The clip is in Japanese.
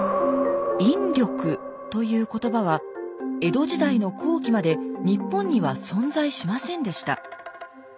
「引力」という言葉は江戸時代の後期まで日本には存在しませんでした。